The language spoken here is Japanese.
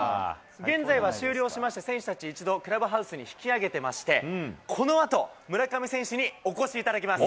現在は終了しまして、選手たち、一度、クラブハウスに引き揚げてまして、このあと村上選手にお越しいただきます。